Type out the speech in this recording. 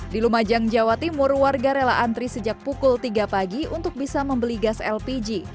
di lumajang jawa timur warga rela antri sejak pukul tiga pagi untuk bisa membeli gas lpg